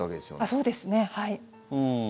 そうですね、はい。